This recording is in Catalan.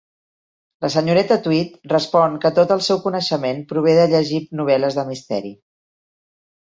La senyoreta Tweed respon que tot el seu coneixement prové de llegir novel·les de misteri.